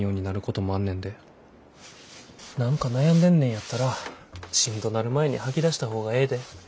何か悩んでんねんやったらしんどなる前に吐き出した方がええで。